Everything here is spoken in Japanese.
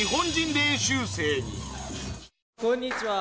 こんにちは。